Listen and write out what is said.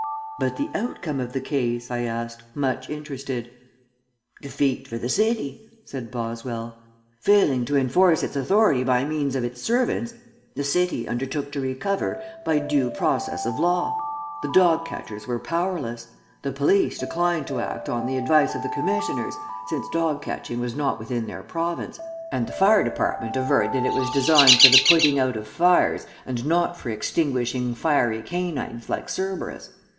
"But the outcome of the case?" I asked, much interested. "Defeat for the city," said Boswell. "Failing to enforce its authority by means of its servants, the city undertook to recover by due process of law. The dog catchers were powerless; the police declined to act on the advice of the commissioners, since dog catching was not within their province; and the fire department averred that it was designed for the putting out of fires and not for extinguishing fiery canines like Cerberus.